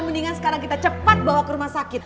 mendingan sekarang kita cepat bawa ke rumah sakit